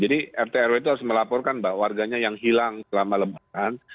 jadi rt rw itu harus melaporkan mbak warganya yang hilang selama lebatan